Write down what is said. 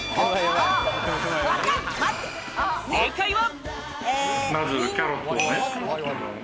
正解は。